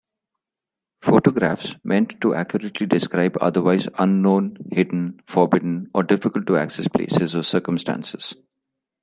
Photographs meant to accurately describe otherwise unknown, hidden, forbidden, or difficult-to-access places or circumstances.